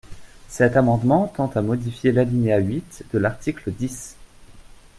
Cet amendement tend à modifier l’alinéa huit de l’article dix.